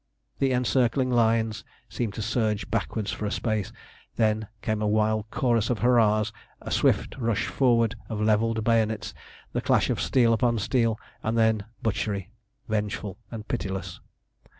The encircling lines seemed to surge backwards for a space. Then came a wild chorus of hurrahs, a swift forward rush of levelled bayonets, the clash of steel upon steel and then butchery, vengeful and pitiless.